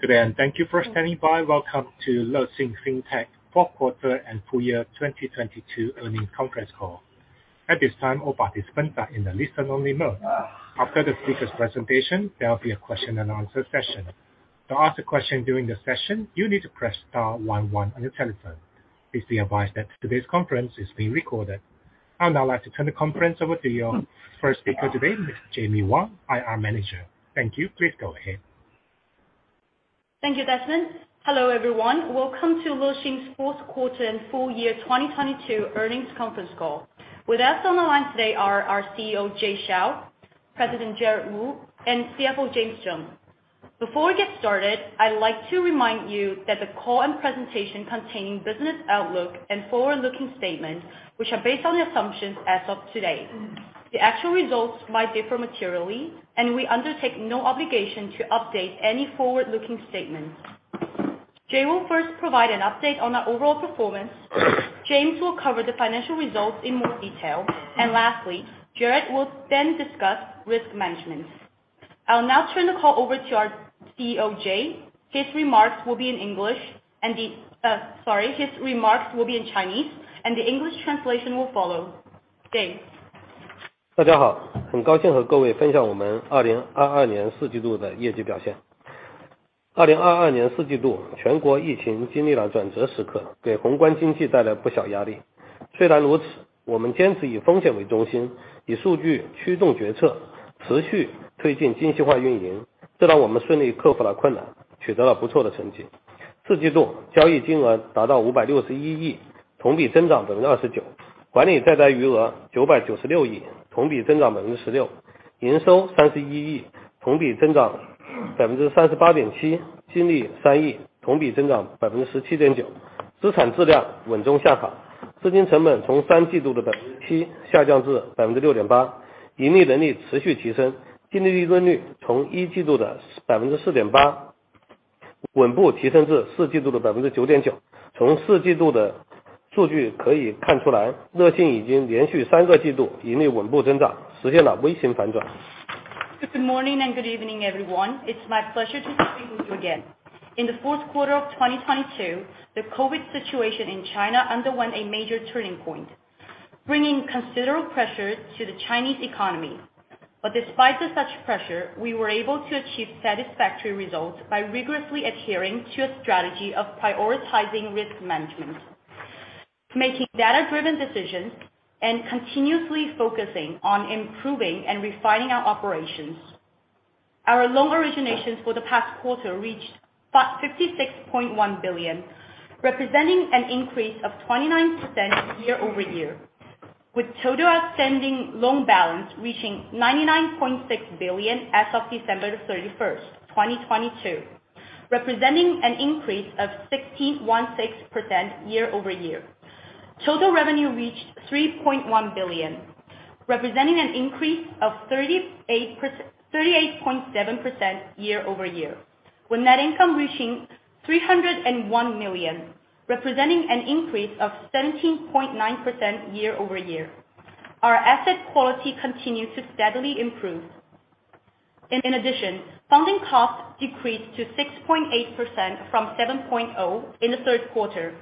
Good day, and thank you for standing by. Welcome to LexinFintech Fourth Quarter and Full Year 2022 Earnings Conference Call. At this time, all participants are in the listen only mode. After the speakers' presentation, there'll be a question and answer session. To ask a question during the session, you need to press star one one on your telephone. Please be advised that today's conference is being recorded. I'd now like to turn the conference over to your first speaker today, Ms. Jamie Wang, IR Manager. Thank you. Please go ahead. Thank you, Desmond. Hello, everyone. Welcome to Lexin's Fourth Quarter and Full Year 2022 Earnings Conference Call. With us on the line today are our CEO, Jay Xiao, President Jared Wu, and CFO James Zheng. Before we get started, I'd like to remind you that the call and presentation containing business outlook and forward-looking statements, which are based on the assumptions as of today. The actual results might differ materially, and we undertake no obligation to update any forward-looking statements. Jay will first provide an update on our overall performance. James will cover the financial results in more detail. Lastly, Jared will then discuss risk management. I'll now turn the call over to our CEO, Jay. Sorry. His remarks will be in Chinese, and the English translation will follow. Jay. Good morning and good evening, everyone. It's my pleasure to be with you again. In the fourth quarter of 2022, the COVID situation in China underwent a major turning point, bringing considerable pressure to the Chinese economy. Despite the such pressure, we were able to achieve satisfactory results by rigorously adhering to a strategy of prioritizing risk management, making data-driven decisions, and continuously focusing on improving and refining our operations. Our loan originations for the past quarter reached 56.1 billion, representing an increase of 29% year-over-year, with total outstanding loan balance reaching 99.6 billion as of December 31st, 2022, representing an increase of 61.6% year-over-year. Total revenue reached 3.1 billion, representing an increase of 38.7% year-over-year, with net income reaching 301 million, representing an increase of 17.9% year-over-year. Our asset quality continued to steadily improve. In addition, funding costs decreased to 6.8% from 7.0% in the third quarter.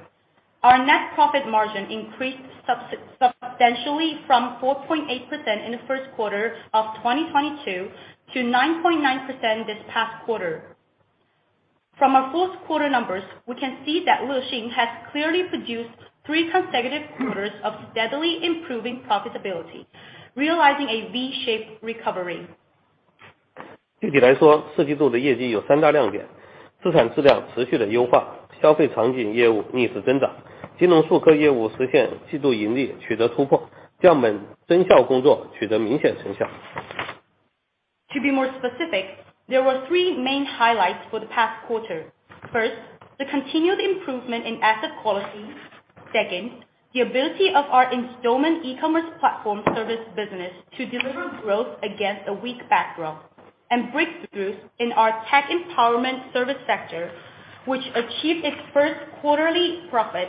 Our net profit margin increased substantially from 4.8% in the first quarter of 2022 to 9.9% this past quarter. From our fourth quarter numbers, we can see that Lexin has clearly produced three consecutive quarters of steadily improving profitability, realizing a V-shaped recovery. To be more specific, there were three main highlights for the past quarter. First, the continued improvement in asset quality. Second, the ability of our installment e-commerce platform service business to deliver growth against a weak backdrop, and breakthroughs in our tech-empowerment service sector, which achieved its first quarterly profit.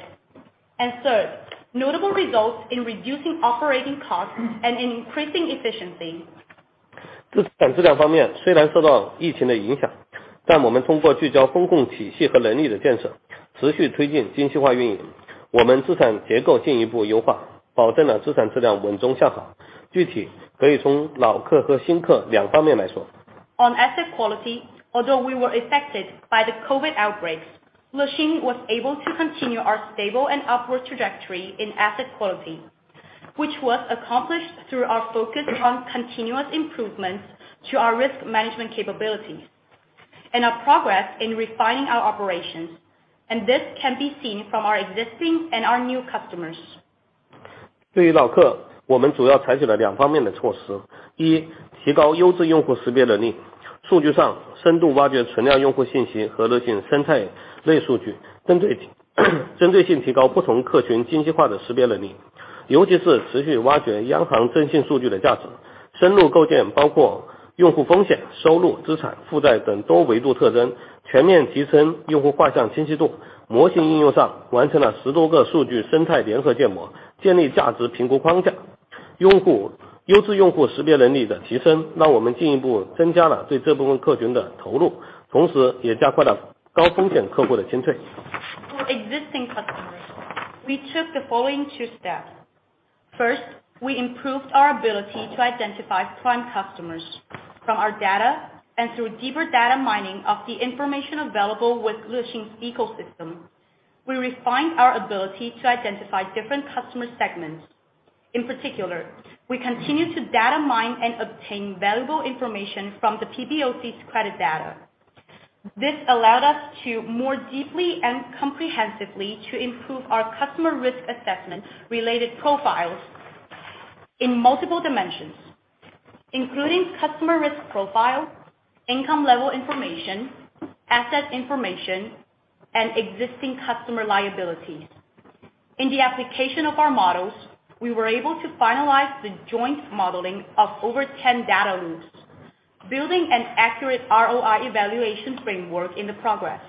Third, notable results in reducing operating costs and increasing efficiency. On asset quality, although we were affected by the COVID outbreaks, Lexin was able to continue our stable and upward trajectory in asset quality, which was accomplished through our focus on continuous improvements to our risk management capabilities and our progress in refining our operations. This can be seen from our existing and our new customers. 用 户， 优质用户识别能力的提 升， 让我们进一步增加了对这部分客群的投 入， 同时也加快了高风险客户的清退。For existing customers, we took the following two steps: first, we improved our ability to identify prime customers from our data and through deeper data mining of the information available with Lexin's ecosystem. We refined our ability to identify different customer segments. In particular, we continue to data mine and obtain valuable information from the PBOC's credit data. This allowed us to more deeply and comprehensively to improve our customer risk assessment related profiles in multiple dimensions, including customer risk profile, income level information, asset information, and existing customer liabilities. In the application of our models, we were able to finalize the joint modeling of over 10 data loops, building an accurate ROI evaluation framework in the progress.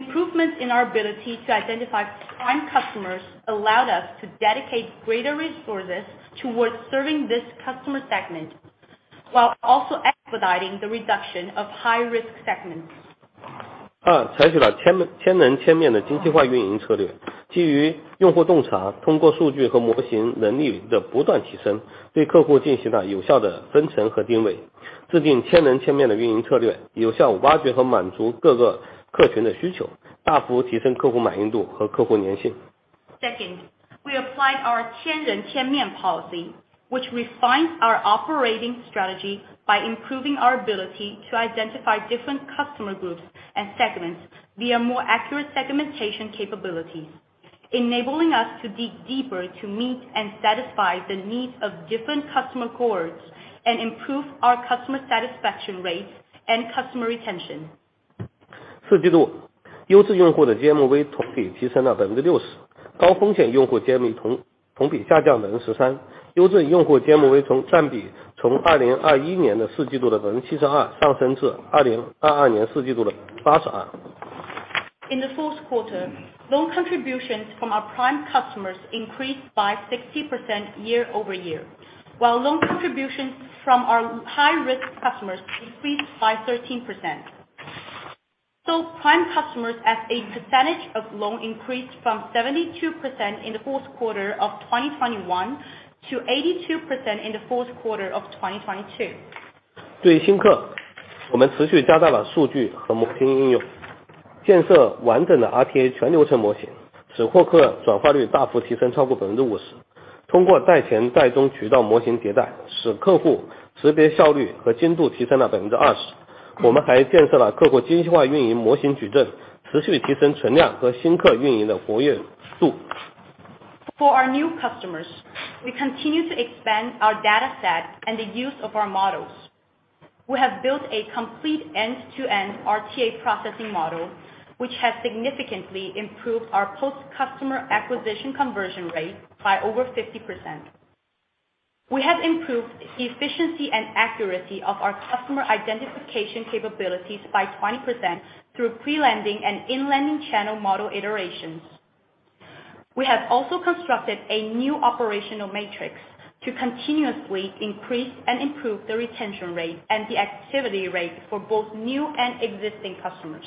Improvements in our ability to identify prime customers allowed us to dedicate greater resources towards serving this customer segment, while also expediting the reduction of high-risk segments. 二， 采取了千人千面的精细化运营策 略， 基于用户洞 察， 通过数据和模型能力的不断提 升， 对客户进行了有效的分层和定 位， 制定千人千面的运营策 略， 有效挖掘和满足各个客群的需 求， 大幅提升客户满意度和客户粘性。We applied our 千人千面 policy, which refines our operating strategy by improving our ability to identify different customer groups and segments via more accurate segmentation capabilities, enabling us to dig deeper to meet and satisfy the needs of different customer cohorts and improve our customer satisfaction rates and customer retention. 四季度优质用户的 GMV 同比提升了百分之六 十， 高风险用户 GMV 同， 同比下降了百分之十三。优质用户 GMV 从占比从二零二一年的四季度的百分之七十二上升至二零二二年四季度的八十二。In the fourth quarter, loan contributions from our prime customers increased by 60% year-over-year, while loan contributions from our high-risk customers decreased by 13%. Prime customers as a percentage of loan increased from 72% in the fourth quarter of 2021 to 82% in the fourth quarter of 2022. 对于新 客， 我们持续加大了数据和模型应 用， 建设完整的 RTA 全流程模 型， 使获客转化率大幅提升超过 50%。通过贷前贷中渠道模型迭 代， 使客户识别效率和精度提升了 20%。我们还建设了客户精细化运营模型矩 阵， 持续提升存量和新客运营的活跃度。For our new customers, we continue to expand our data set and the use of our models. We have built a complete end-to-end RTA processing model, which has significantly improved our post-customer acquisition conversion rate by over 50%. We have improved the efficiency and accuracy of our customer identification capabilities by 20% through pre-lending and in-lending channel model iterations. We have also constructed a new operational matrix to continuously increase and improve the retention rate and the activity rate for both new and existing customers.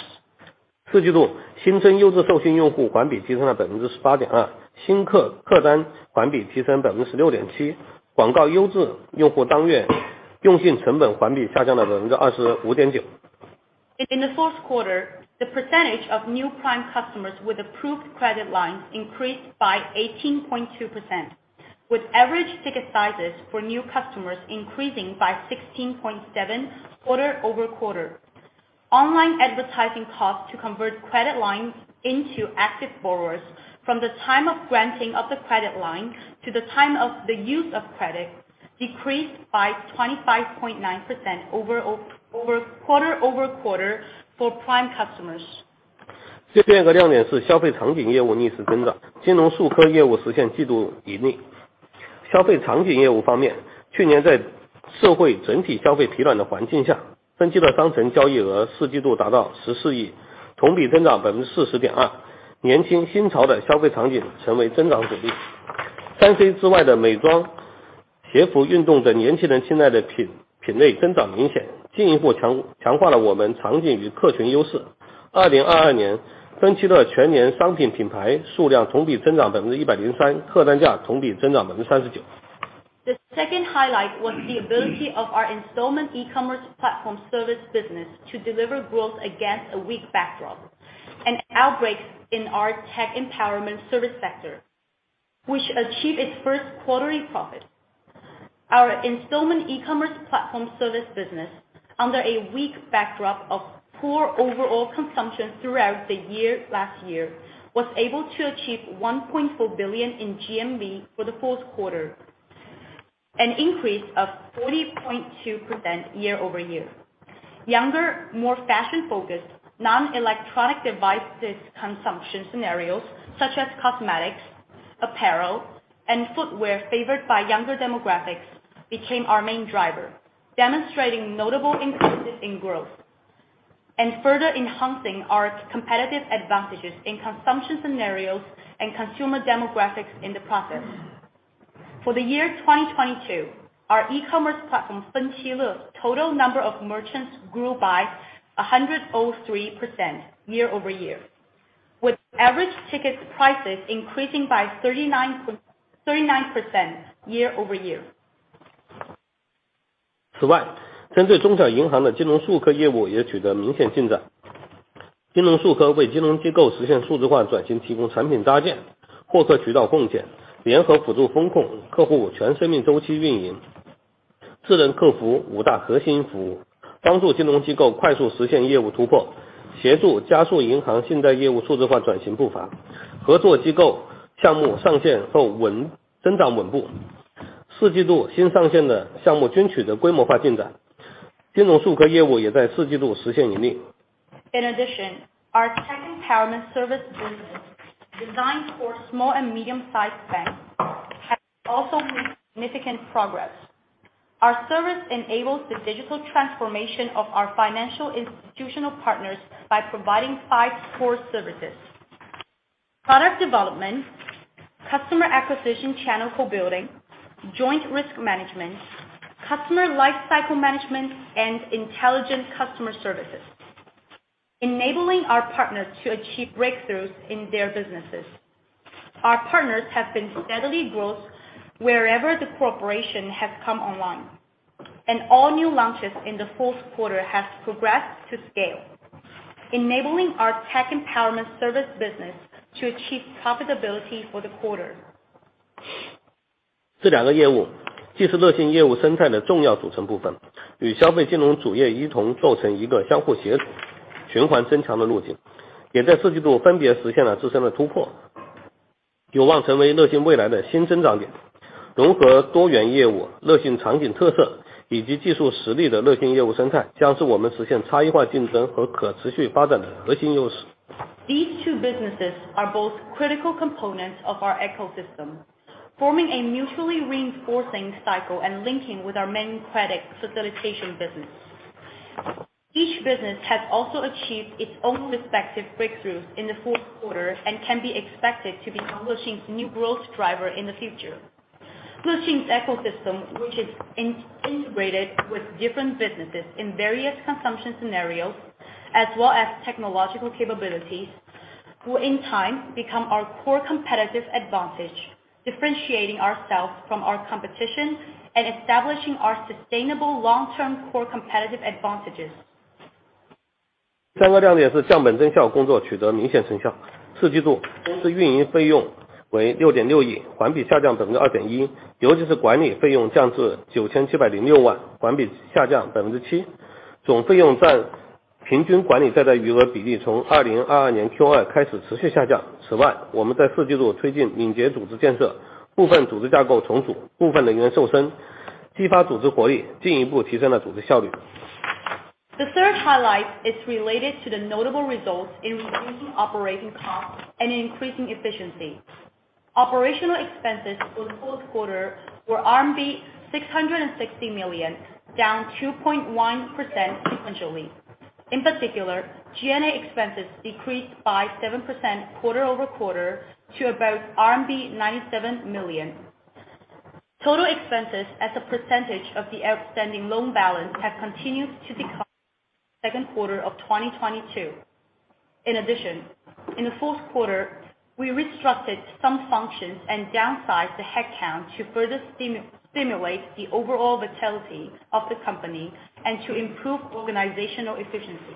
四季度新增优质授信用户环比提升了百分之十八点 二， 新客客单环比提升百分之十六点 七， 广告优质用户单月用信成本环比下降了百分之二十五点九。In the fourth quarter, the percentage of new prime customers with approved credit lines increased by 18.2%, with average ticket sizes for new customers increasing by 16.7% quarter-over-quarter. Online advertising costs to convert credit lines into active borrowers from the time of granting of the credit line to the time of the use of credit decreased by 25.9% over quarter-over-quarter for prime customers. 这边一个亮点是消费场景业务逆势增 长，金 融数科业务实现季度盈利。消费场景业务方 面，去 年在社会整体消费疲软的环境 下，分 期的商城交易额 Q4 达到 RMB 1.4 billion，同 比增长 40.2%。年 轻新潮的消费场景成为增长主 力。3C 之外的美妆、鞋服、运动等年轻人青睐的品类增长明 显，进 一步强化了我们场景与客群优 势。2022 年分期的全年商品品牌数量同比增长 103%，客 单价同比增长 39%。The second highlight was the ability of our installment e-commerce platform service business to deliver growth against a weak backdrop, an outbreak in our tech-empowerment service sector, which achieved its first quarterly profit. Our installment e-commerce platform service business, under a weak backdrop of poor overall consumption throughout the year last year, was able to achieve 1.4 billion in GMV for the fourth quarter, an increase of 40.2% year-over-year. Younger, more fashion focused non-electronic devices consumption scenarios such as cosmetics, apparel and footwear favored by younger demographics became our main driver, demonstrating notable increases in growth. Further enhancing our competitive advantages in consumption scenarios and consumer demographics in the process. For the year 2022, our e-commerce platform, Fenqile, total number of merchants grew by 103% year-over-year, with average ticket prices increasing by 39 point... 39% year-over-year. In addition, our tech-empowerment service business, designed for small and medium-sized banks, has also made significant progress. Our service enables the digital transformation of our financial institutional partners by providing five core services: product development, customer acquisition channel co-building, joint risk management, customer life cycle management, and intelligent customer services, enabling our partners to achieve breakthroughs in their businesses. Our partners have been steadily growth wherever the corporation has come online, and all new launches in the fourth quarter have progressed to scale, enabling our tech-empowerment service business to achieve profitability for the quarter. These two businesses are both critical components of our ecosystem, forming a mutually reinforcing cycle and linking with our main credit facilitation business. Each business has also achieved its own respective breakthroughs in the fourth quarter and can be expected to be Lexin's new growth driver in the future. Lexin's ecosystem, which is integrated with different businesses in various consumption scenarios, as well as technological capabilities, will in time become our core competitive advantage, differentiating ourselves from our competition and establishing our sustainable long-term core competitive advantages. The third highlight is related to the notable results in reducing operating costs and increasing efficiency. Operational expenses for the fourth quarter were RMB 660 million, down 2.1% sequentially. In particular, G&A expenses decreased by 7% quarter-over-quarter to about RMB 97 million. Total expenses as a percentage of the outstanding loan balance have continued to decline second quarter of 2022. In addition, in the fourth quarter, we restructured some functions and downsized the headcount to further stimulate the overall vitality of the company and to improve organizational efficiency.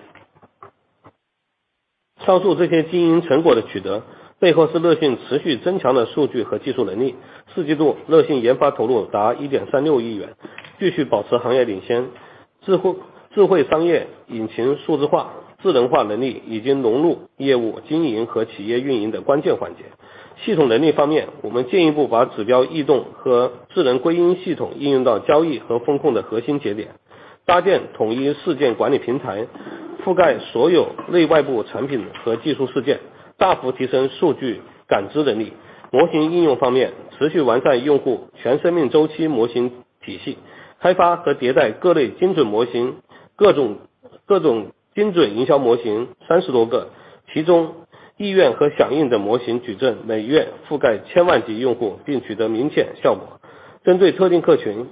Behind the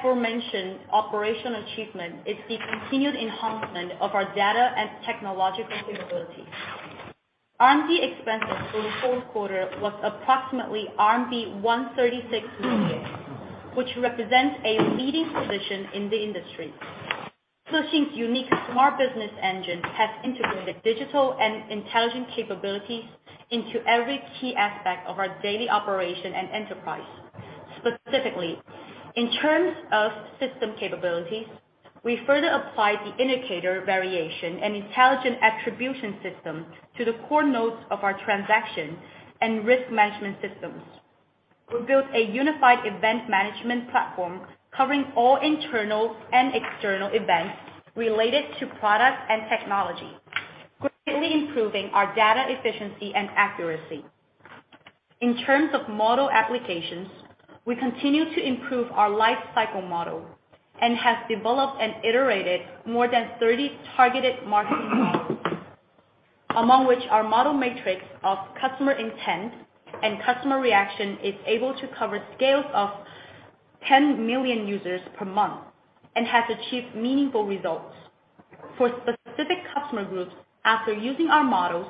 aforementioned operational achievement is the continued enhancement of our data and technological capabilities. R&D expenses for the fourth quarter was approximately RMB 136 million, which represents a leading position in the industry. Lexin's unique Smart Business Engine has integrated digital and intelligent capabilities into every key aspect of our daily operation and enterprise. Specifically, in terms of system capabilities, we further applied the indicator variation and intelligent attribution system to the core nodes of our transaction and risk management systems. We built a unified event management platform covering all internal and external events related to products and technology. Greatly improving our data efficiency and accuracy. In terms of model applications, we continue to improve our life cycle model and have developed and iterated more than 30 targeted marketing models, among which our model matrix of customer intent and customer reaction is able to cover scales of 10 million users per month and has achieved meaningful results. For specific customer groups after using our models,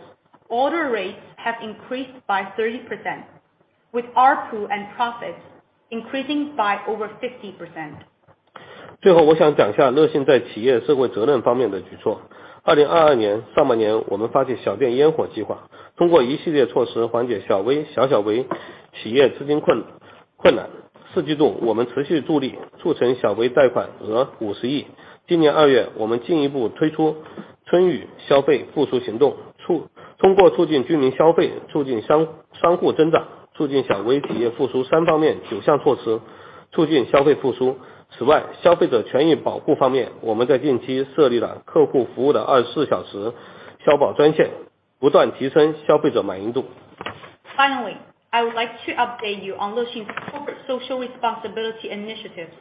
order rates have increased by 30%, with ARPU and profits increasing by over 50%. Finally, I would like to update you on Lexin's corporate social responsibility initiatives.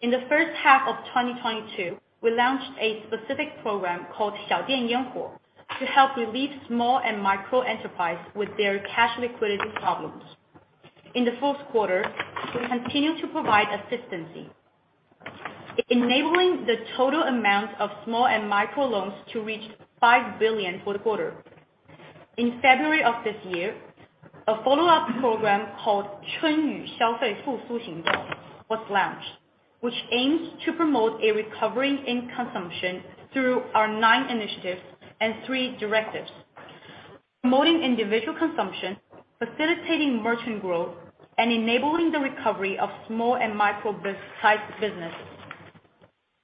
In the first half of 2022, we launched a specific program called Xiaodian Yonghu to help relieve small and micro enterprise with their cash liquidity problems. In the fourth quarter, we continued to provide assistance, enabling the total amount of small and micro loans to reach 5 billion for the quarter. In February of this year, a follow-up program called Chunyu Xiaofei Fusu Xing was launched, which aims to promote a recovery in consumption through our nine initiatives and three directives, promoting individual consumption, facilitating merchant growth, and enabling the recovery of small and micro businesses.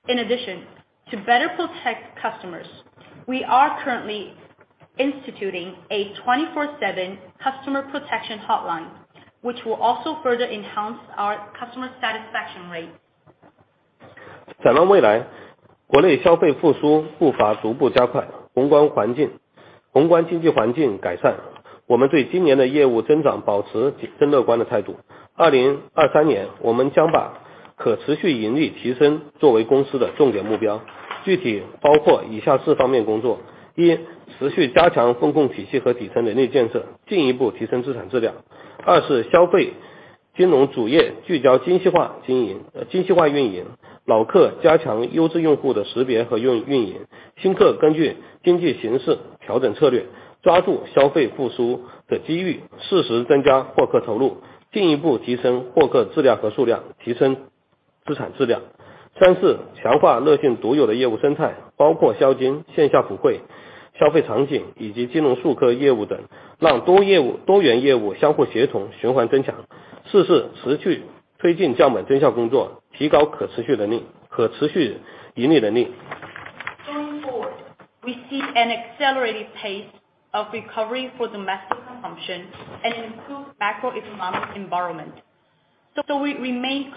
In addition, to better protect customers, we are currently instituting a 24/7 customer protection hotline, which will also further enhance our customer satisfaction rate. We remain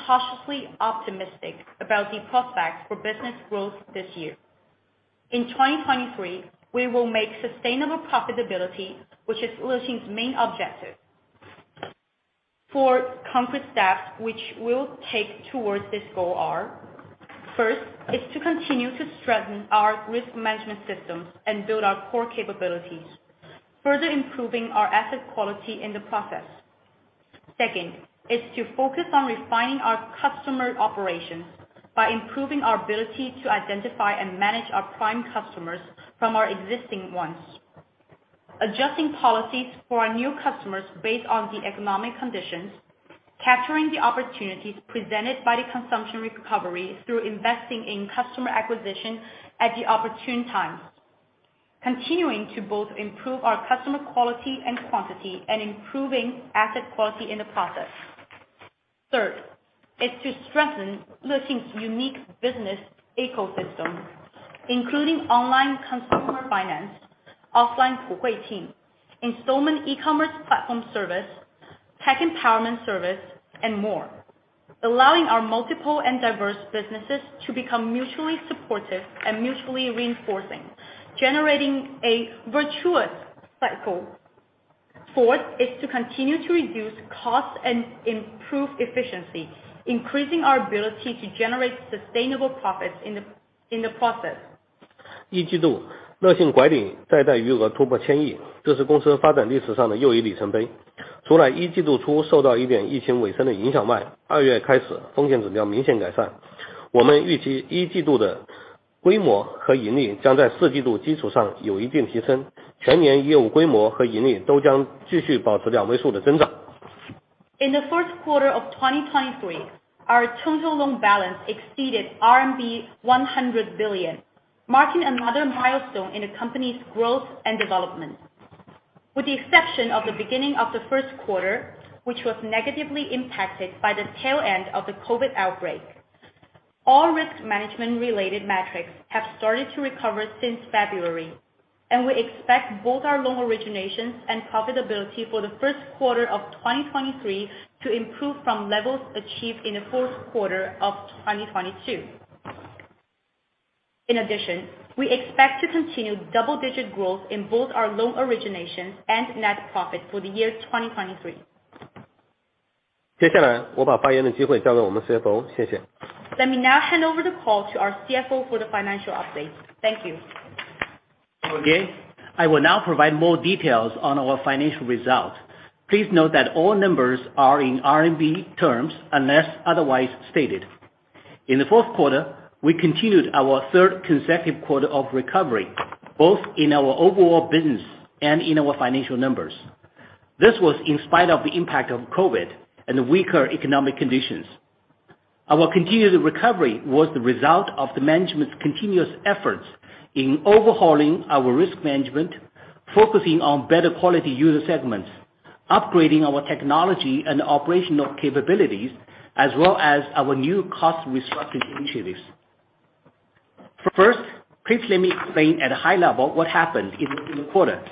cautiously optimistic about the prospects for business growth this year. In 2023, we will make sustainable profitability, which is Lexin's main objective. Four concrete steps which we'll take towards this goal are: First is to continue to strengthen our risk management systems and build our core capabilities, further improving our asset quality in the process. Second is to focus on refining our customer operations by improving our ability to identify and manage our prime customers from our existing ones. Adjusting policies for our new customers based on the economic conditions, capturing the opportunities presented by the consumption recovery through investing in customer acquisition at the opportune time. Continuing to both improve our customer quality and quantity and improving asset quality in the process. Third is to strengthen Lexin's unique business ecosystem, including online consumer finance, offline Puhui team, installment e-commerce platform service, tech-empowerment service, and more, allowing our multiple and diverse businesses to become mutually supportive and mutually reinforcing, generating a virtuous cycle. Fourth is to continue to reduce costs and improve efficiency, increasing our ability to generate sustainable profits in the process. In the first quarter of 2023, our total loan balance exceeded RMB 100 billion, marking another milestone in the company's growth and development. With the exception of the beginning of the first quarter, which was negatively impacted by the tail end of the COVID outbreak, all risk management related metrics have started to recover since February. We expect both our loan originations and profitability for the first quarter of 2023 to improve from levels achieved in the fourth quarter of 2022. In addition, we expect to continue double-digit growth in both our loan originations and net profit for the year 2023. Let me now hand over the call to our CFO for the financial update. Thank you. Okay. I will now provide more details on our financial results. Please note that all numbers are in RMB terms, unless otherwise stated. In the fourth quarter, we continued our third consecutive quarter of recovery, both in our overall business and in our financial numbers. This was in spite of the impact of COVID and the weaker economic conditions. Our continued recovery was the result of the management's continuous efforts in overhauling our risk management, focusing on better quality user segments, upgrading our technology and operational capabilities, as well as our new cost restructuring initiatives. First, please let me explain at a high level what happened in the quarter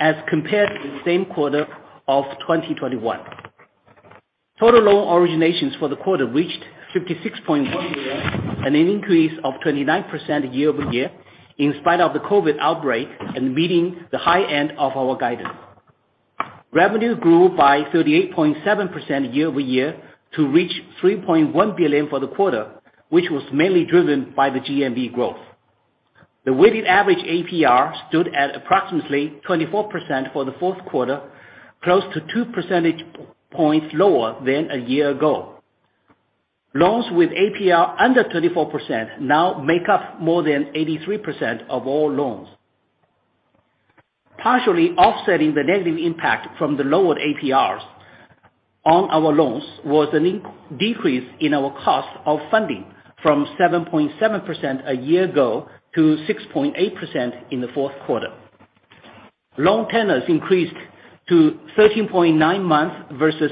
as compared to the same quarter of 2021. Total loan originations for the quarter reached 56.1 billion, an increase of 29% year-over-year in spite of the COVID outbreak and beating the high end of our guidance. Revenue grew by 38.7% year-over-year to reach 3.1 billion for the quarter, which was mainly driven by the GMV growth. The weighted average APR stood at approximately 24% for the fourth quarter, close to 2 percentage points lower than a year ago. Loans with APR under 24% now make up more than 83% of all loans. Partially offsetting the negative impact from the lower APRs on our loans was a decrease in our cost of funding from 7.7% a year ago to 6.8% in the fourth quarter. Loan tenors increased to 13.9 months versus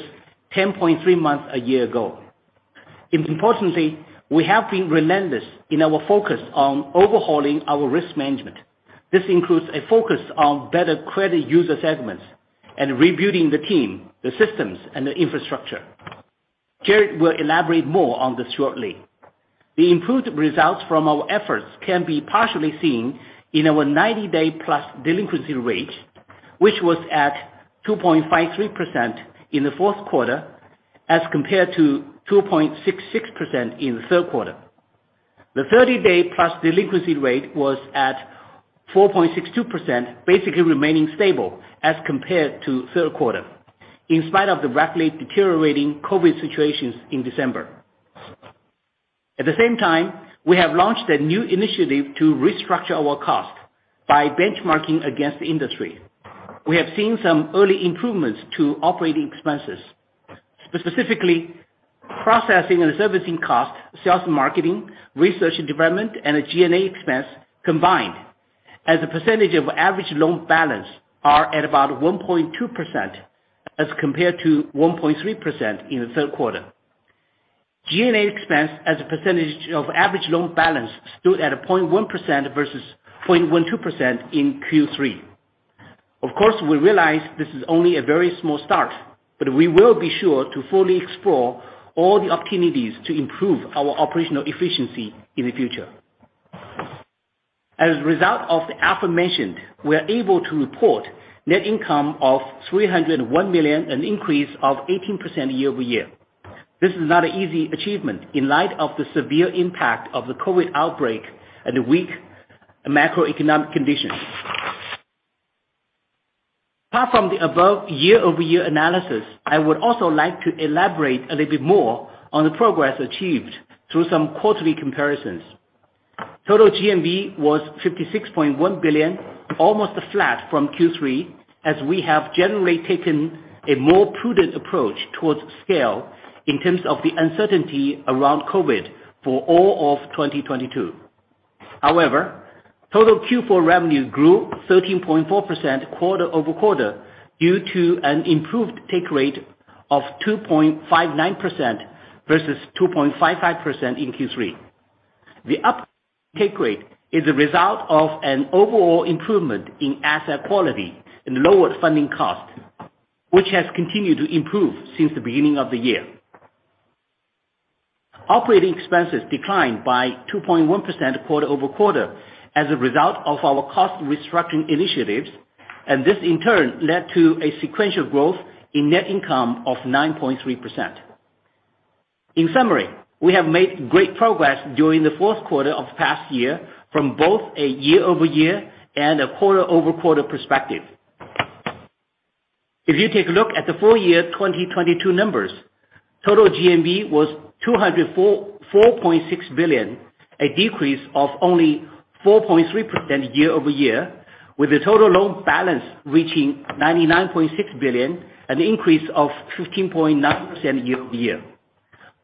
10.3 months a year ago. We have been relentless in our focus on overhauling our risk management. This includes a focus on better credit user segments and rebuilding the team, the systems, and the infrastructure. Jared will elaborate more on this shortly. The improved results from our efforts can be partially seen in our 90-day-plus delinquency rate, which was at 2.53% in the fourth quarter, as compared to 2.66% in the third quarter. The 30-day-plus delinquency rate was at 4.62%, basically remaining stable as compared to third quarter, in spite of the rapidly deteriorating COVID situations in December. We have launched a new initiative to restructure our cost by benchmarking against the industry. We have seen some early improvements to operating expenses, specifically processing and servicing costs, sales and marketing, research and development, and G&A expense combined as a percentage of average loan balance are at about 1.2%, as compared to 1.3% in the third quarter. G&A expense as a percentage of average loan balance stood at 0.1% versus 0.12% in Q3. Of course, we realize this is only a very small start, but we will be sure to fully explore all the opportunities to improve our operational efficiency in the future. As a result of the aforementioned, we are able to report net income of 301 million, an increase of 18% year-over-year. This is not an easy achievement in light of the severe impact of the COVID outbreak and weak macroeconomic conditions. Apart from the above year-over-year analysis, I would also like to elaborate a little bit more on the progress achieved through some quarterly comparisons. Total GMV was 56.1 billion, almost flat from Q3, as we have generally taken a more prudent approach towards scale in terms of the uncertainty around COVID for all of 2022. Total Q4 revenue grew 13.4% quarter-over-quarter due to an improved take rate of 2.59% versus 2.55% in Q3. The up take rate is a result of an overall improvement in asset quality and lower funding costs, which has continued to improve since the beginning of the year. Operating expenses declined by 2.1% quarter-over-quarter as a result of our cost restructuring initiatives. This in turn led to a sequential growth in net income of 9.3%. In summary, we have made great progress during the fourth quarter of past year from both a year-over-year and a quarter-over-quarter perspective. If you take a look at the full year 2022 numbers, total GMV was 204.6 billion, a decrease of only 4.3% year-over-year, with the total loan balance reaching 99.6 billion, an increase of 15.9% year-over-year.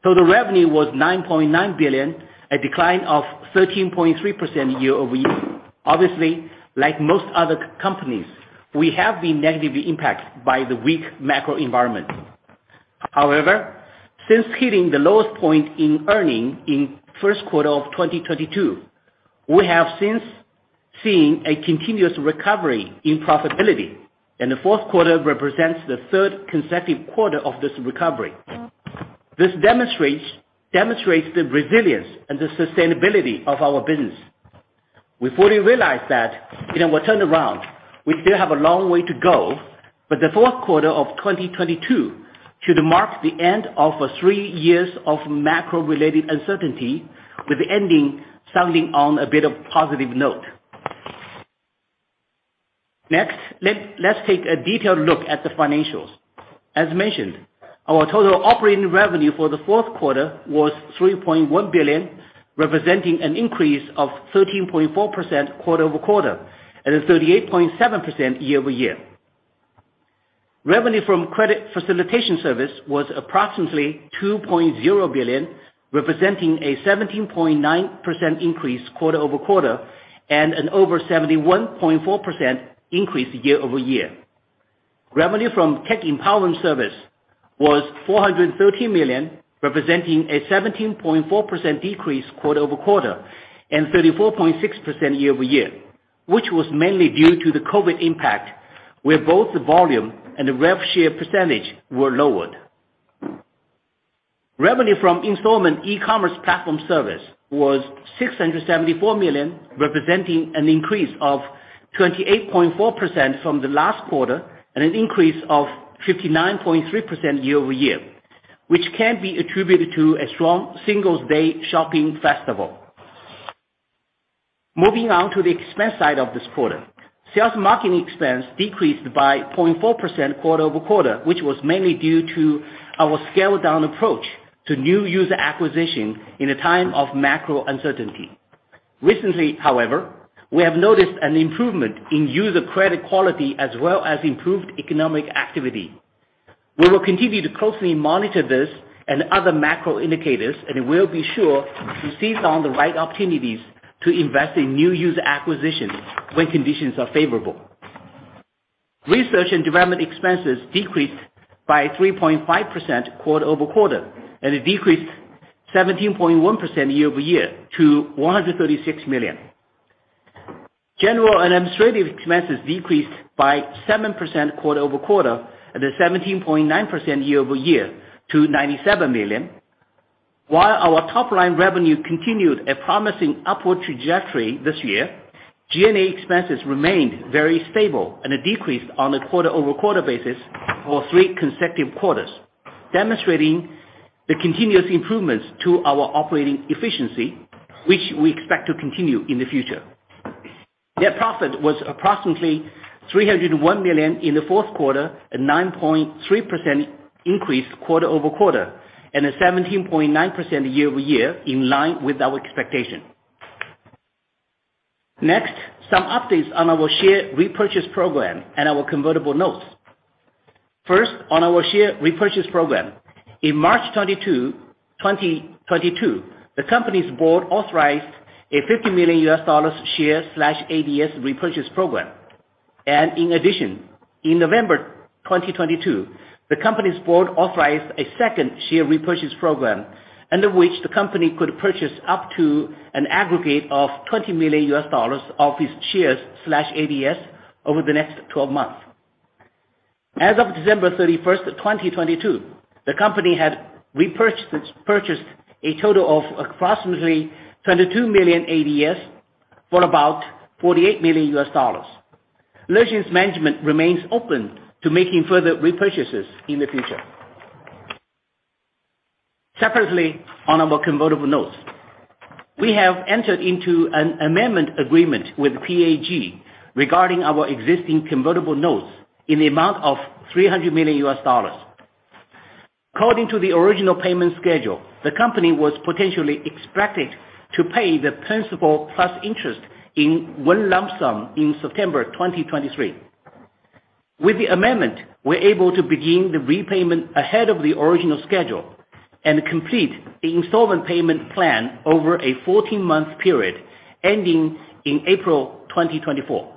Total revenue was 9.9 billion, a decline of 13.3% year-over-year. Obviously, like most other companies, we have been negatively impacted by the weak macro environment. Since hitting the lowest point in earnings in first quarter of 2022, we have since seen a continuous recovery in profitability, and the fourth quarter represents the third consecutive quarter of this recovery. This demonstrates the resilience and the sustainability of our business. We fully realize that in our turnaround, we still have a long way to go, the fourth quarter of 2022 should mark the end of a three years of macro-related uncertainty, with the ending sounding on a bit of positive note. Next, let's take a detailed look at the financials. As mentioned, our total operating revenue for the fourth quarter was 3.1 billion, representing an increase of 13.4% quarter-over-quarter, and 38.7% year-over-year. Revenue from credit facilitation service was approximately 2.0 billion, representing a 17.9% increase quarter-over-quarter, and an over 71.4% increase year-over-year. Revenue from tech-empowerment service was 430 million, representing a 17.4% decrease quarter-over-quarter, and 34.6% year-over-year, which was mainly due to the COVID impact, where both the volume and the revenue share percentage were lowered. Revenue from installment e-commerce platform service was 674 million, representing an increase of 28.4% from the last quarter, and an increase of 59.3% year-over-year, which can be attributed to a strong Singles' Day shopping festival. Moving on to the expense side of this quarter. Sales marketing expense decreased by 0.4% quarter-over-quarter, which was mainly due to our scale-down approach to new user acquisition in a time of macro uncertainty. Recently, however, we have noticed an improvement in user credit quality as well as improved economic activity. We will continue to closely monitor this and other macro indicators, and we'll be sure to seize on the right opportunities to invest in new user acquisition when conditions are favorable. Research and development expenses decreased by 3.5% quarter-over-quarter, and it decreased 17.1% year-over-year to 136 million. General and administrative expenses decreased by 7% quarter-over-quarter, and 17.9% year-over-year to 97 million. While our top-line revenue continued a promising upward trajectory this year, G&A expenses remained very stable and a decrease on a quarter-over-quarter basis for three consecutive quarters, demonstrating the continuous improvements to our operating efficiency, which we expect to continue in the future. Net profit was approximately 301 million in the fourth quarter, a 9.3% increase quarter-over-quarter, and a 17.9% year-over-year in line with our expectation. Some updates on our share repurchase program and our convertible notes. On our share repurchase program. In March 22, 2022, the company's board authorized a $50 million share/ADS repurchase program. In addition, in November 2022, the company's board authorized a second share repurchase program, under which the company could purchase up to an aggregate of $20 million of its shares/ADS over the next 12 months. As of December 31st, 2022, the company had purchased a total of approximately 22 million ADS for about $48 million. Lexin's management remains open to making further repurchases in the future. Separately, on our convertible notes. We have entered into an amendment agreement with PAG regarding our existing convertible notes in the amount of $300 million. According to the original payment schedule, the company was potentially expected to pay the principal plus interest in one lump sum in September 2023. With the amendment, we're able to begin the repayment ahead of the original schedule and complete the installment payment plan over a 14-month period ending in April 2024.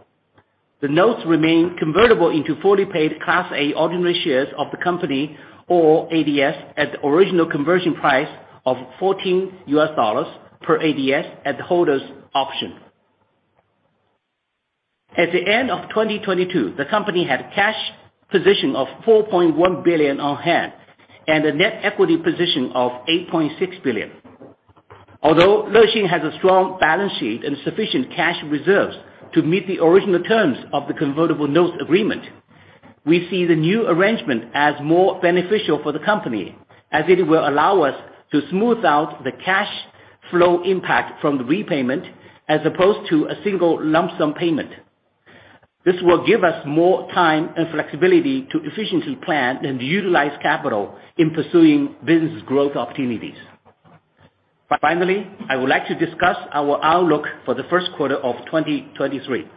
The notes remain convertible into fully paid Class A ordinary shares of the company or ADS at the original conversion price of $14 per ADS at the holder's option. At the end of 2022, the company had cash position of $4.1 billion on hand and a net equity position of $8.6 billion. Although Lexin has a strong balance sheet and sufficient cash reserves to meet the original terms of the convertible notes agreement, we see the new arrangement as more beneficial for the company, as it will allow us to smooth out the cash flow impact from the repayment as opposed to a single lump sum payment. This will give us more time and flexibility to efficiently plan and utilize capital in pursuing business growth opportunities. I would like to discuss our outlook for the first quarter of 2023.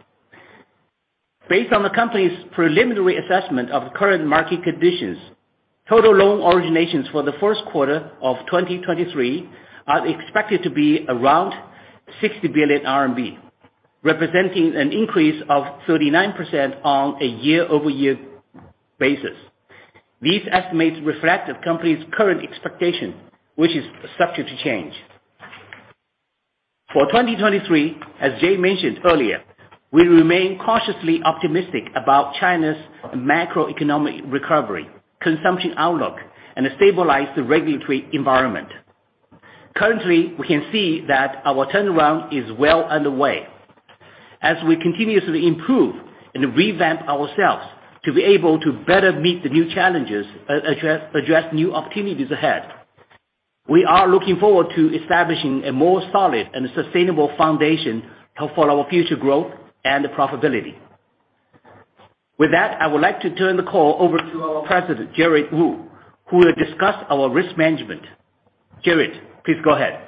Based on the company's preliminary assessment of current market conditions, total loan originations for the first quarter of 2023 are expected to be around 60 billion RMB, representing an increase of 39% on a year-over-year basis. These estimates reflect the company's current expectation, which is subject to change. For 2023, as Jay mentioned earlier, we remain cautiously optimistic about China's macroeconomic recovery, consumption outlook, and a stabilized regulatory environment. Currently, we can see that our turnaround is well underway as we continuously improve and revamp ourselves to be able to better meet the new challenges, address new opportunities ahead. We are looking forward to establishing a more solid and sustainable foundation to follow our future growth and profitability. With that, I would like to turn the call over to our President, Jared Wu, who will discuss our risk management. Jared, please go ahead.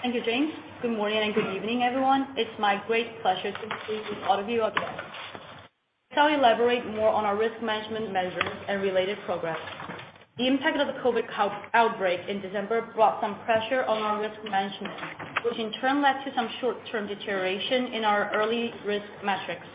Thank you, James. Good morning and good evening, everyone. It's my great pleasure to speak with all of you again. I'll elaborate more on our risk management measures and related progress. The impact of the COVID outbreak in December brought some pressure on our risk management, which in turn led to some short-term deterioration in our early risk metrics.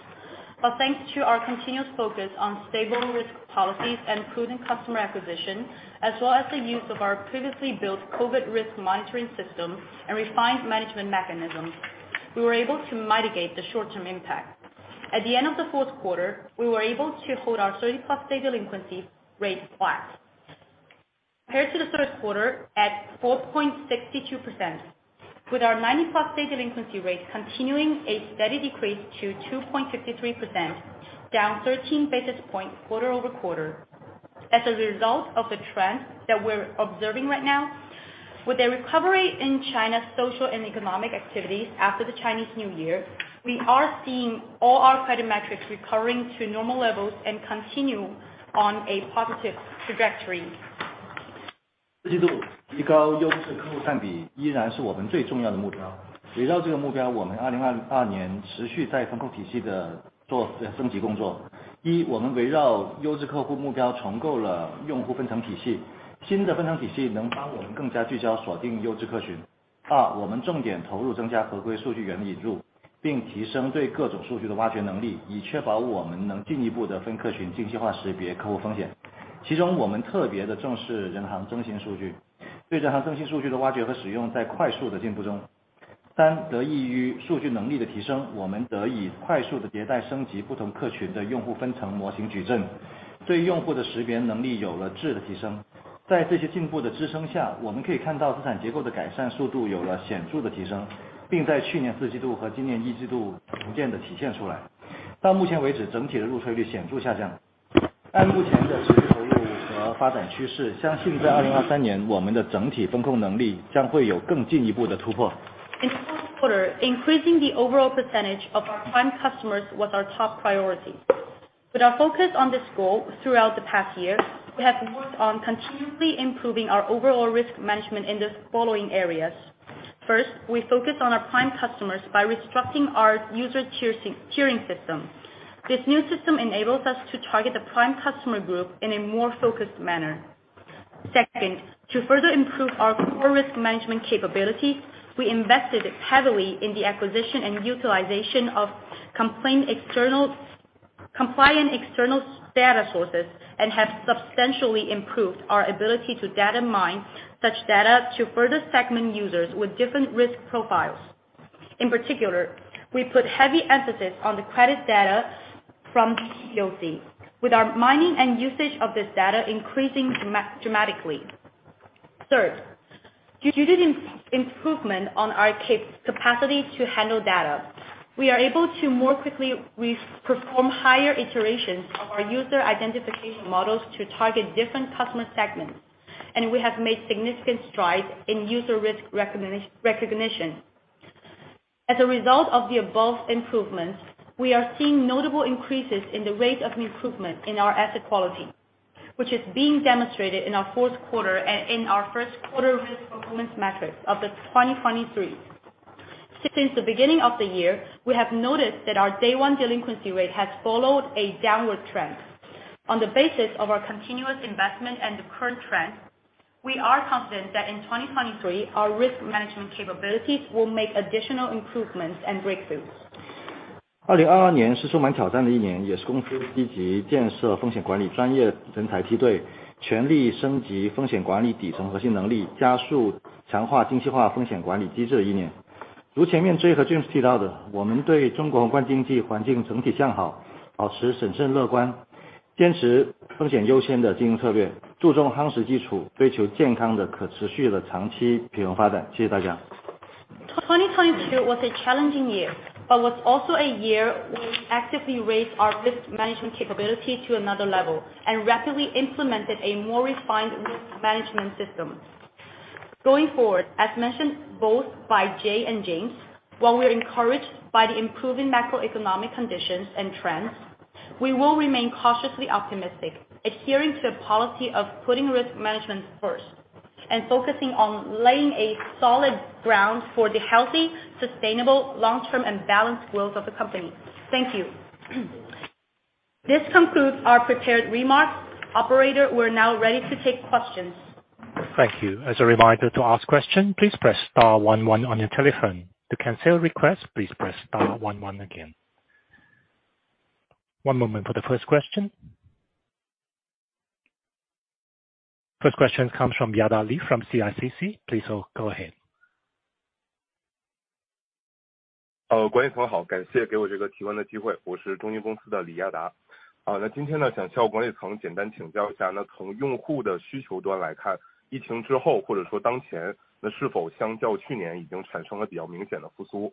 Thanks to our continuous focus on stable risk policies and prudent customer acquisition, as well as the use of our previously built COVID risk monitoring system and refined management mechanisms, we were able to mitigate the short-term impact. At the end of the fourth quarter, we were able to hold our 30+ day delinquency rate flat. Compared to the third quarter at 4.62%, with our 90+ day delinquency rate continuing a steady decrease to 2.53%, down 13 basis points quarter-over-quarter. As a result of the trend that we're observing right now, with a recovery in China's social and economic activities after the Chinese New Year, we are seeing all our credit metrics recovering to normal levels and continue on a positive trajectory. In the fourth quarter, increasing the overall percentage of our prime customers was our top priority. With our focus on this goal throughout the past year, we have worked on continually improving our overall risk management in the following areas. First, we focused on our prime customers by restructuring our user tiering system. This new system enables us to target the prime customer group in a more focused manner. Second, to further improve our core risk management capability, we invested heavily in the acquisition and utilization of compliant external data sources and have substantially improved our ability to data mine such data to further segment users with different risk profiles. In particular, we put heavy emphasis on the credit data from, with our mining and usage of this data increasing dramatically. Third, due to the improvement on our capacity to handle data, we are able to more quickly re-perform higher iterations of our user identification models to target different customer segments, and we have made significant strides in user risk recognition. As a result of the above improvements, we are seeing notable increases in the rate of improvement in our asset quality, which is being demonstrated in our fourth quarter and in our first quarter risk performance metrics of the 2023. Since the beginning of the year, we have noticed that our day one delinquency rate has followed a downward trend. On the basis of our continuous investment and the current trend, we are confident that in 2023, our risk management capabilities will make additional improvements and breakthroughs. 坚持风险优先的经营策 略， 注重夯实基 础， 追求健康的可持续的长期平稳发展。谢谢大家。管理层 好， 感谢给我这个提问的机 会， 我是中金公司的李亚达。今天 呢， 想向管理层简单请教一 下， 从用户的需求端来 看， 疫情之 后， 或者说当前是否相较去年已经产生了比较明显的复 苏？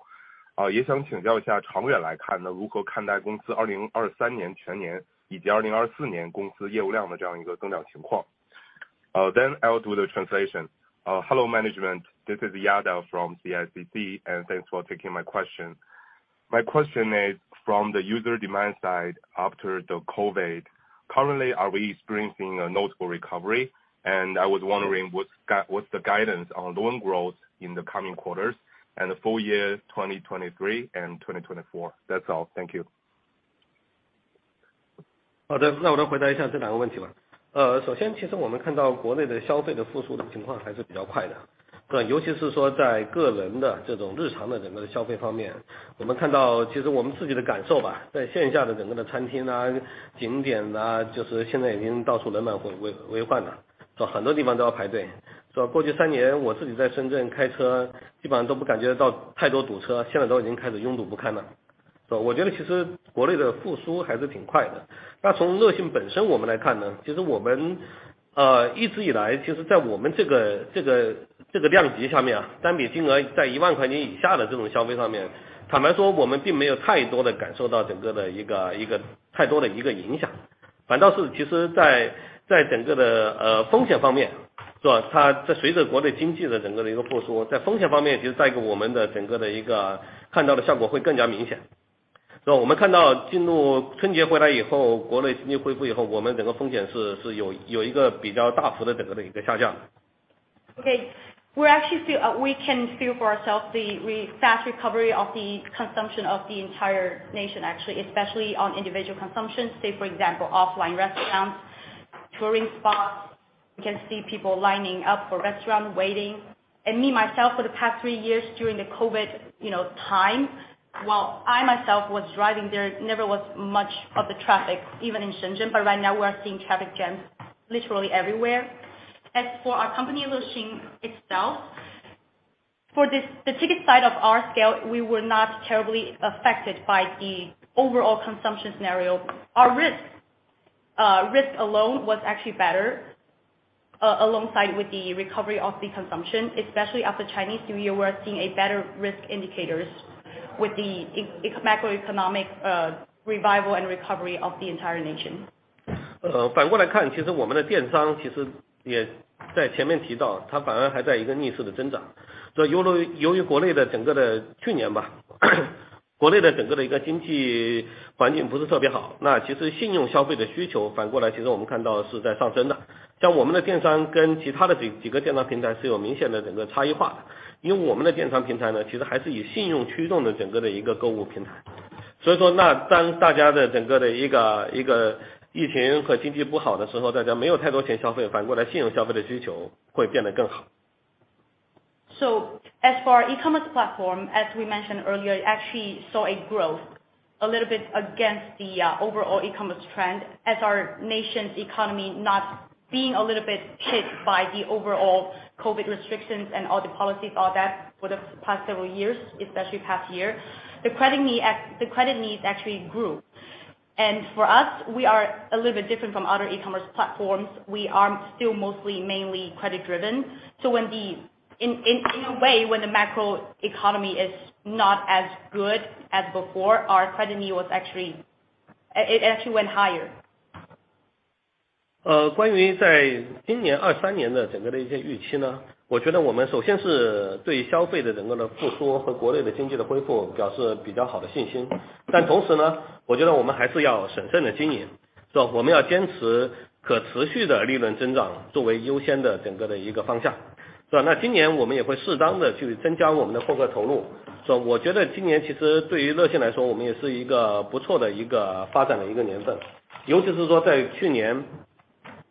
也想请教一 下， 长远来看 呢， 如何看待公司2023年全年以及2024年公司业务量的这样一个增量情 况？ 好 的， 我来回答一下这两个问题吧。首先其实我们看到国内的消费的复苏的情况还是比较快 的， 尤其是说在个人的这种日常的整个的消费方 面， 我们看到其实我们自己的感受 吧， 在线下的整个的餐 厅， 景 点， 就是现在已经到处人满为患 了， 很多地方都要排队。过去3年我自己在深圳开 车， 基本上都不感觉的到太多堵 车， 现在都已经开始拥堵不堪了。我觉得其实国内的复苏还是挺快的。从 Lexin 本身我们来看 呢， 其实我们一直以 来， 其实在我们这个量级下 面， 单笔金额在 RMB 10,000 以下的这种消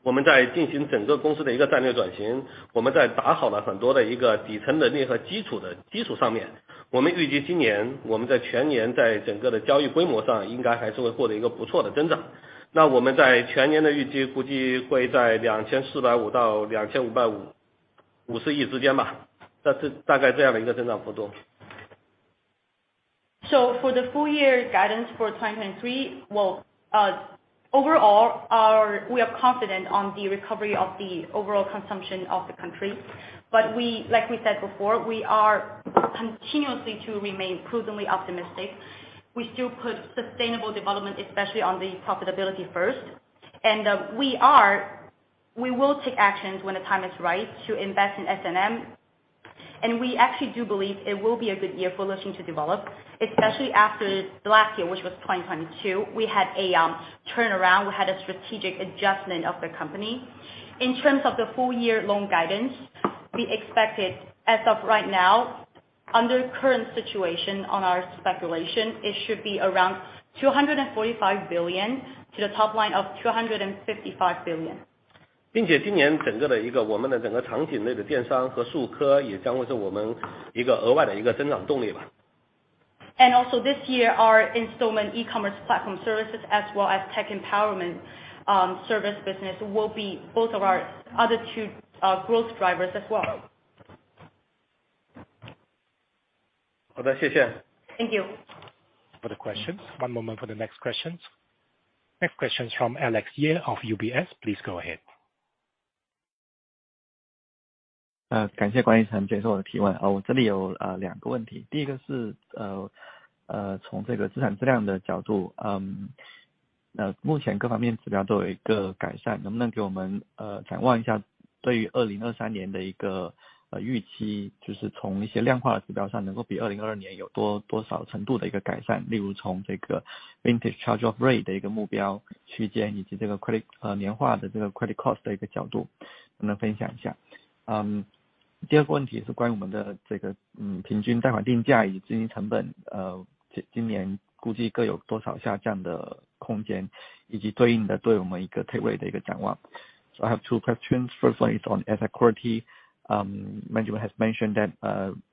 For the full year guidance for 2023, overall, we are confident on the recovery of the overall consumption of the country. Like we said before, we are continuously to remain prudently optimistic. We still put sustainable development, especially on the profitability first. We will take actions when the time is right to invest in S&M. We actually do believe it will be a good year for Lexin to develop, especially after last year, which was 2022, we had a turnaround. We had a strategic adjustment of the company. In terms of the full year loan guidance, we expected as of right now, under current situation on our speculation, it should be around 245 billion-255 billion. Also this year, our installment e-commerce platform services as well as tech-empowerment service business will be both of our other two growth drivers as well. Thank you. Further questions. One moment for the next questions. Next question's from Alex Ye of UBS. Please go ahead. I have two questions. First one is on asset quality. management has mentioned that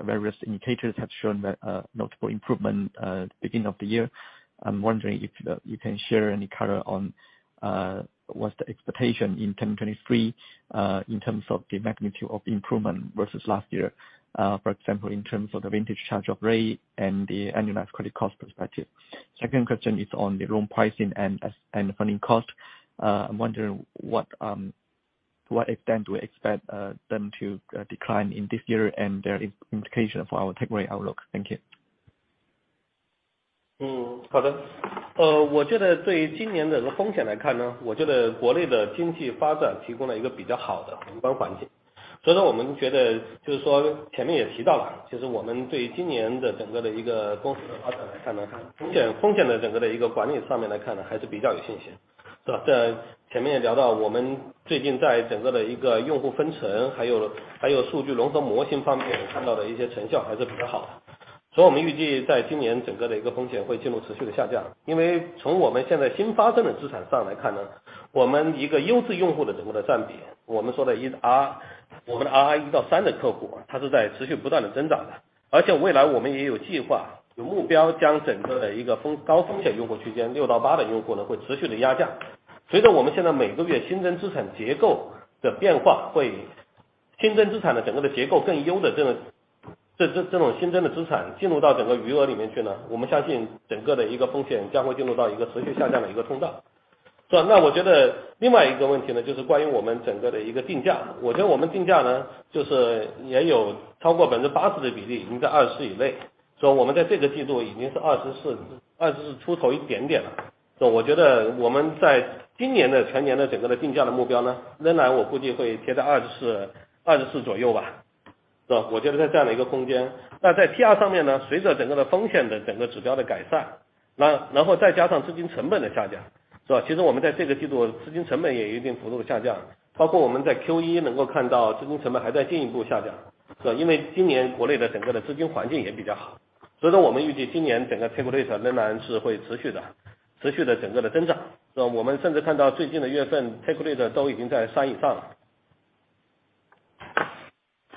various indicators have shown that notable improvement beginning of the year. I'm wondering if you can share any color on what's the expectation in 2023 in terms of the magnitude of improvement versus last year, for example, in terms of the vintage charge-off rate and the annualized credit cost perspective. Second question is on the loan pricing and funding cost. I'm wondering what to what extent do we expect them to decline in this year and their indication for our takeaway outlook. Thank you.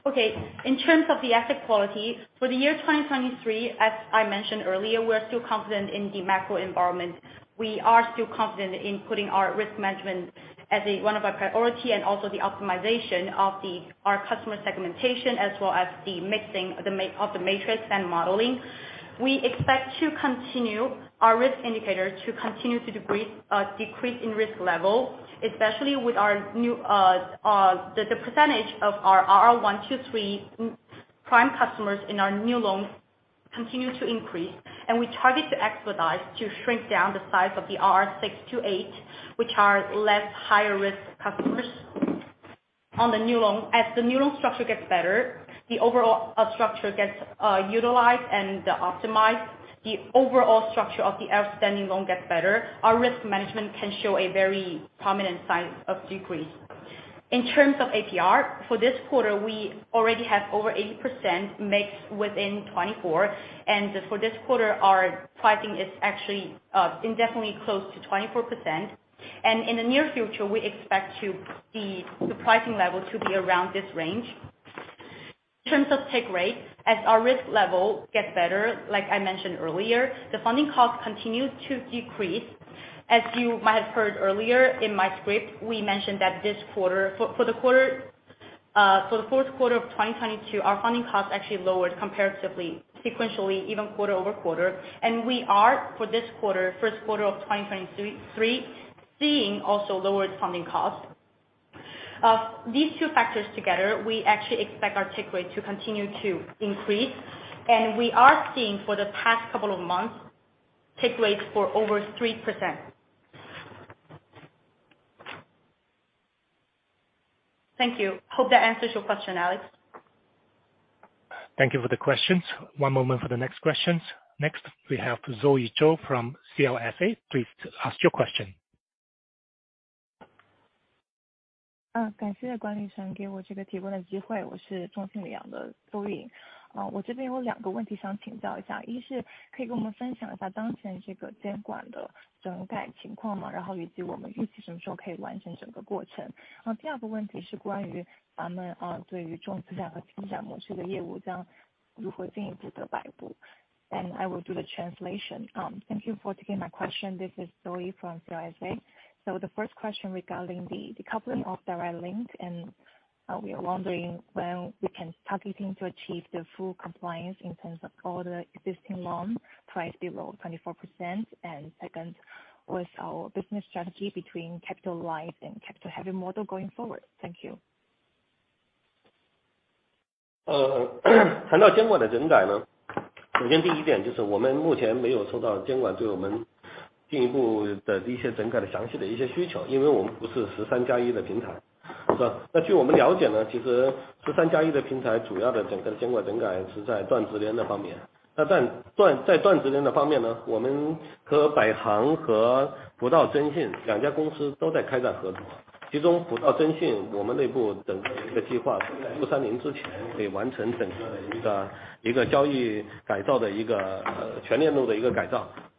Okay. In terms of the asset quality, for the year 2023, as I mentioned earlier, we are still confident in the macro environment. We are still confident in putting our risk management as a, one of our priority and also the optimization of our customer segmentation as well as the mixing of the matrix and modeling. We expect to continue our risk indicators to continue to debrief decrease in risk level, especially with our new percentage of our RR1 to 3 prime customers in our new loans continue to increase, and we target to expedite to shrink down the size of the RR6 to 8, which are less higher risk customers. On the new loan, as the new loan structure gets better, the overall structure gets utilized and optimized. The overall structure of the outstanding loan gets better. Our risk management can show a very prominent sign of decrease. In terms of APR, for this quarter, we already have over 80% mixed within 24%, and for this quarter, our pricing is actually indefinitely close to 24%. In the near future, we expect to see the pricing level to be around this range. In terms of take rate, as our risk level gets better, like I mentioned earlier, the funding cost continue to decrease. As you might have heard earlier in my script, we mentioned that this quarter, so the fourth quarter of 2022, our funding costs actually lowered comparatively, sequentially, even quarter-over-quarter. We are, for this quarter, first quarter of 2023, seeing also lowered funding costs. Of these two factors together, we actually expect our take rate to continue to increase. We are seeing for the past couple of months, take rates for over 3%. Thank you. Hope that answers your question, Alex. Thank you for the questions. One moment for the next questions. We have Zoe Zou from CLSA. Please ask your question. I will do the translation. Thank you for taking my question. This is Zoe from CLSA. The first question regarding decoupling of the link, we are wondering when we can targeting to achieve the full compliance in terms of all the existing loan price below 24%. Second, what's our business strategy between capital-light and capital-heavy model going forward? Thank you. Uh,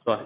As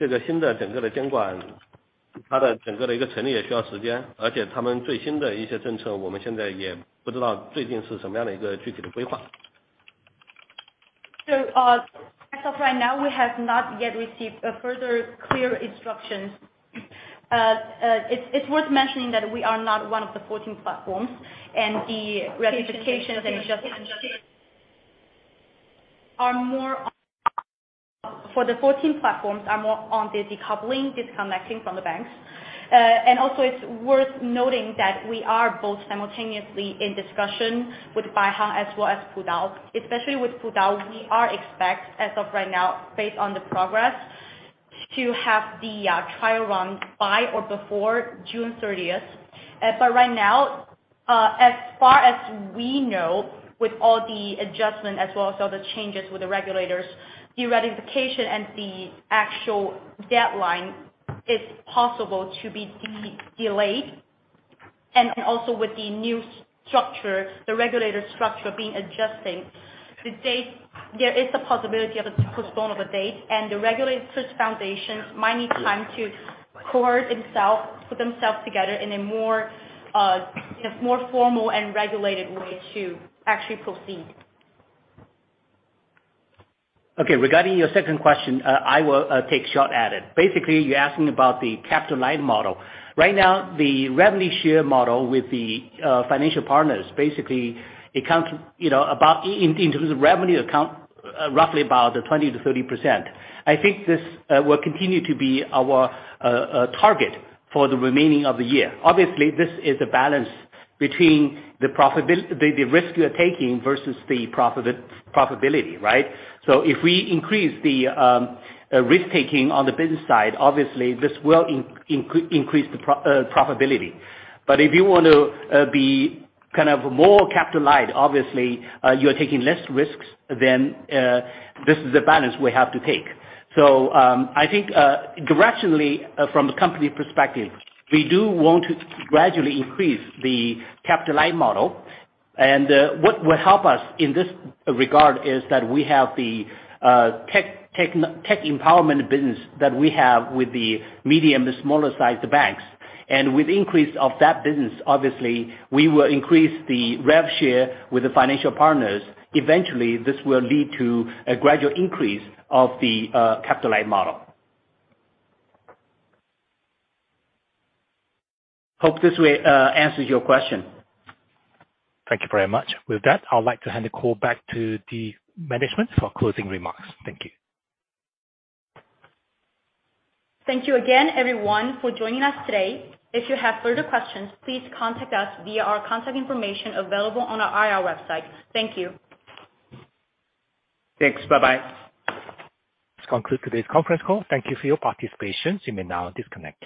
of right now, we have not yet received a further clear instructions. It's worth mentioning that we are not one of the 14 platforms. For the 14 platforms are more on the decoupling, disconnecting from the banks. Also, it's worth noting that we are both simultaneously in discussion with Baihang as well as Pudao. Especially with Pudao, we are expect, as of right now, based on the progress, to have the trial run by or before June 30th. Right now, as far as we know, with all the adjustment as well as all the changes with the regulators, the ratification and the actual deadline is possible to be delayed. Also with the new structure, the regulator structure being adjusting, there is a possibility of a postpone of a date, and the regulators' foundations might need time to cohort itself, put themselves together in a more, you know, more formal and regulated way to actually proceed. Okay. Regarding your second question, I will take a shot at it. Basically, you're asking about the capital-light model. Right now, the revenue share model with the financial partners, basically it count, you know, in terms of revenue account, roughly about 20%-30%. I think this will continue to be our target for the remaining of the year. Obviously, this is a balance between the risk you are taking versus the profitability, right? If we increase the risk taking on the business side, obviously, this will increase the profitability. If you want to be kind of more capital-light, obviously, you are taking less risks, then this is the balance we have to take. I think directionally from a company perspective, we do want to gradually increase the capital-light model. What will help us in this regard is that we have the tech-empowerment business that we have with the medium to smaller sized banks. With increase of that business, obviously we will increase the revenue share with the financial partners. Eventually, this will lead to a gradual increase of the capital-light model. Hope this answers your question? Thank you very much. With that, I would like to hand the call back to the management for closing remarks. Thank you. Thank you again everyone for joining us today. If you have further questions, please contact us via our contact information available on our IR website. Thank you. Thanks. Bye-bye. This concludes today's conference call. Thank you for your participation. You may now disconnect.